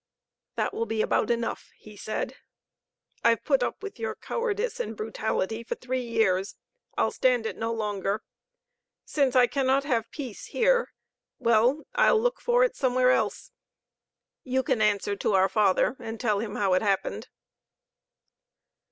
"That will be about enough," he said; "I've put up with your cowardice and brutality for three years. I'll stand it no longer. Since I cannot have peace here, well,. I'll look for it somewhere else. You can answer to our father, and tell him how it happened."